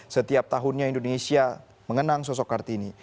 setiap tahunnya indonesia mengenang sosok kartini